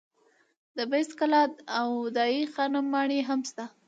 د بست کلا او دای خانم ماڼۍ هم شته.